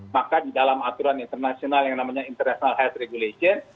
maka di dalam aturan internasional yang namanya international health regulation